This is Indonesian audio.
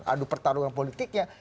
adu pertarungan politiknya